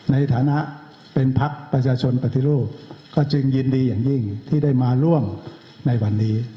ในฐานะเป็นพักประชาชนปฏิรูปก็จึงยินดีอย่างยิ่งที่ได้มาร่วมในวันนี้